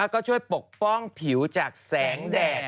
ก็ช่วยปกป้องผิวจากแสงแดด